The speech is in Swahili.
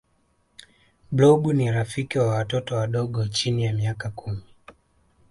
blob ni rafiki wa watoto wadogo chini ya miaka kumi